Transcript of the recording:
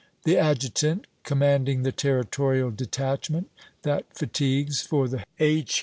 "The adjutant commanding the Territorial detachment that fatigues for the H.